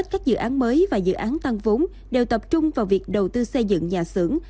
các dự án mới và dự án tăng vốn đều tập trung vào việc đầu tư xây dựng nhà xưởng